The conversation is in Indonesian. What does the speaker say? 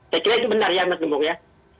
saya kira itu benar ya mas gembong ya